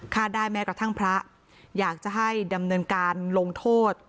ได้แม้กระทั่งพระอยากจะให้ดำเนินการลงโทษ